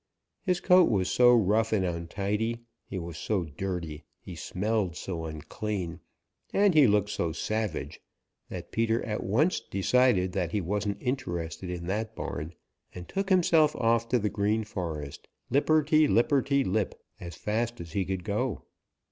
His coat was so rough and untidy, he was so dirty, he smelled so unclean, and he looked so savage that Peter at once decided that he wasn't interested in that barn and took himself off to the Green Forest, lip perty lipperty lip, as fast as he could go.